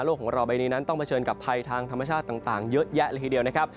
ของเราใบนี้นั้นต้องเผชิญกับภัยทางธรรมชาติต่างเยอะแยะเลยทีเดียวนะครับ